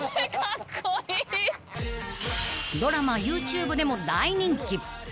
［ドラマＹｏｕＴｕｂｅでも大人気］